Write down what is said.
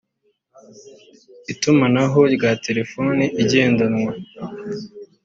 itumanaho rya telefoni igendanwa